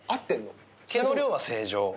毛の量は正常。